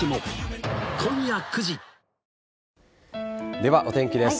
では、お天気です。